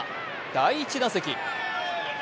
第１打席。